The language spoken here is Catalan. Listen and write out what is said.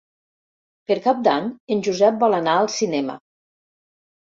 Per Cap d'Any en Josep vol anar al cinema.